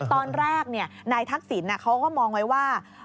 ตอนแรกนายทักษิณเขาก็มองไว้ว่า